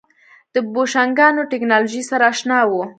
د بوشنګانو ټکنالوژۍ سره اشنا وو.